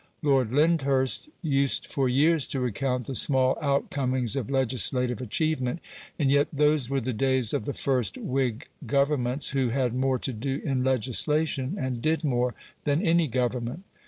Lord Lyndhurst used for years to recount the small outcomings of legislative achievement; and yet those were the days of the first Whig Governments, who had more to do in legislation, and did more, than any Government.